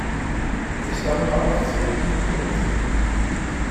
Sich darüber aufzuregen, lohnt sich nicht.